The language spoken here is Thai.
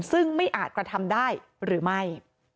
ซึ่งไม่อาจกระทำได้หรือไม่